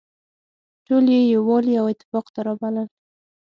ټول يې يووالي او اتفاق ته رابلل.